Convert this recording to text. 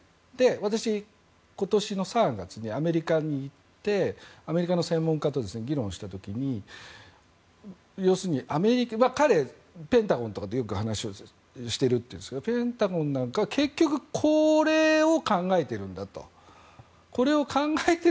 私、今年の３月にアメリカに行ってアメリカの専門家と議論した時に彼はペンタゴンとかで話をしているというんですけどペンタゴンなんかは結局これを考えているんだと。